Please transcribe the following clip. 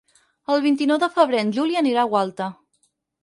El vint-i-nou de febrer en Juli anirà a Gualta.